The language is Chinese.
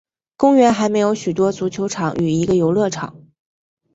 公园还设有许多足球场与一个游乐场。